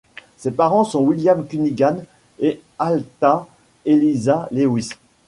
Ses parents sont William Cunningham et Altha Eliza Lewis.